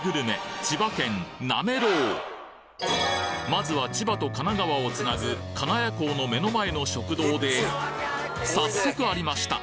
まずは千葉と神奈川をつなぐ金谷港の目の前の食堂で早速ありました。